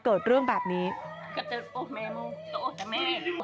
กังฟูเปล่าใหญ่มา